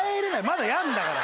まだやるんだから。